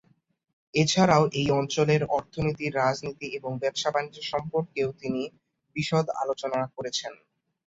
এছাড়াও এই অঞ্চলের অর্থনীতি, রাজনীতি এবং ব্যবসা-বাণিজ্য সম্পর্কেও তিনি বিশদ আলোচনা করেছেন।